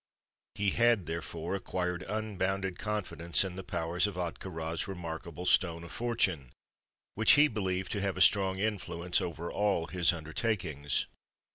He had, therefore, acquired unbounded confidence in the powers of Ahtka Rā's remarkable Stone of Fortune, which he believed to have a strong influence over all his undertakings.